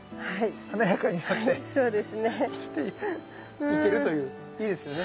華やかになっていけるといういいですよね。